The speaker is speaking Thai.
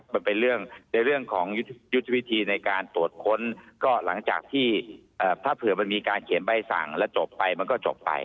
มันเป็นเรื่องในเรื่องของยุทธวิธีในการตรวจค้นก็หลังจากที่ถ้าเผื่อมันมีการเขียนใบสั่งแล้วจบไปมันก็จบไป